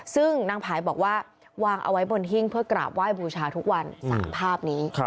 ซึ่งนางผายบอกว่าวางเอาไว้บนหิ้งเพื่อกราบไหว้บูชาทุกวัน๓ภาพนี้